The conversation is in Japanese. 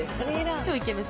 超イケメソ。